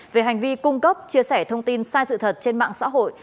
về hành vi cung cấp chia sẻ thông tin sai sự thật trên mạng xã hội